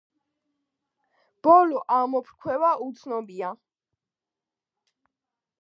ბოლო ამოფრქვევა უცნობია.